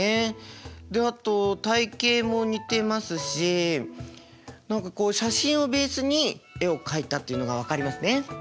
であと体形も似てますし何かこう写真をベースに絵を描いたっていうのが分かりますね。